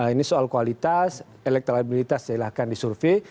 ini soal kualitas elektabilitas silahkan disurvey